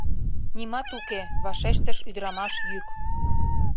— Нимат уке, — вашештыш ӱдрамаш йӱк.